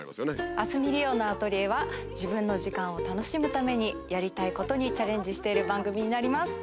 『明日海りおのアトリエ』は自分の時間を楽しむためにやりたいことにチャレンジしている番組になります。